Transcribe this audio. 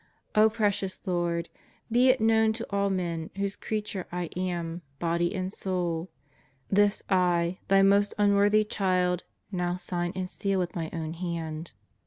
O Precious Lord, be it known to all men whose creature I am, body and soul. This I, Thy most unworthy child, now sign and seal with my own hand.